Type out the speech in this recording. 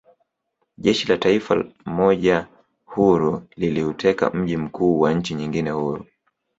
Jeshi la taifa moja huru liliuteka mji mkuu wa nchi nyingine huru